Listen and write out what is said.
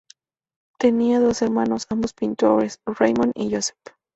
Tenía dos hermanos, ambos pintores, Raymond y Joseph.